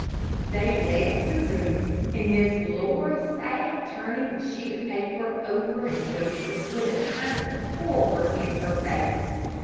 They left the room, and Miss Laura sat turning the sheet of paper over and over, with a kind of horror in her face.